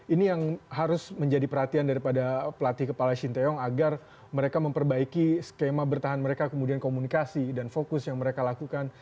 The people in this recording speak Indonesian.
ini yang harus menjadi perhatian daripada pelatih kepala shin taeyong agar mereka memperbaiki skema bertahan mereka kemudian komunikasi dan fokus yang mereka lakukan